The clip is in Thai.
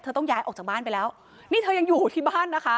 ต้องย้ายออกจากบ้านไปแล้วนี่เธอยังอยู่ที่บ้านนะคะ